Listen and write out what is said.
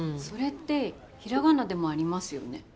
それって平仮名でもありますよね。